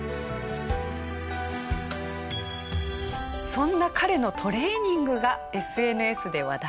そんな彼のトレーニングがＳＮＳで話題に。